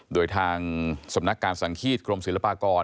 โดยทางสำนักการสังฆีตกรมศิลปากร